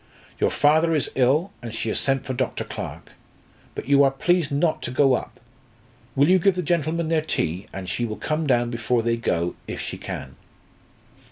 Your father is ill, and she has sent for Dr. Clarke. But you are please not to go up. Will you give the gentlemen their tea, and she will come down before they go, if she can."